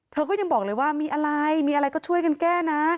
เธอก็ยังบอกเลยว่ามีอะไรมีอะไรก็ช่วยกันแก้นะ